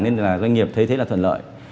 nên doanh nghiệp thấy thế là thuận lợi